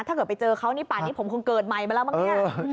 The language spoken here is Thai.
ถ้าเกิดไปเจอเขานี่ป่านนี้ผมคงเกิดใหม่มาแล้วมั้งเนี่ย